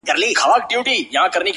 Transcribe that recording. هغه به زما له سترگو،